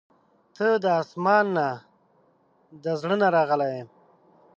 • ته د اسمان نه، د زړه نه راغلې یې.